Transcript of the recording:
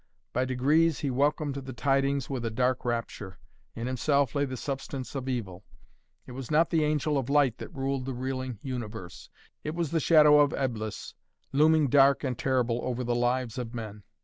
By degrees he welcomed the tidings with a dark rapture. In himself lay the substance of Evil. It was not the Angel of Light that ruled the reeling universe. It was the shadow of Eblis looming dark and terrible over the lives of men.